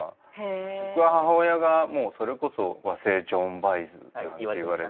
僕は母親がもうそれこそ和製ジョーン・バエズっていわれて。